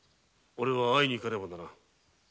おれは会いに行かねばならぬ。